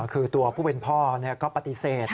คือตัวผู้เป็นพ่อก็ปฏิเสธ